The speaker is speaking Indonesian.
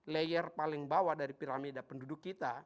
layer paling bawah dari piramida penduduk kita